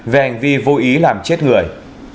về hành vi vô ý làm chết người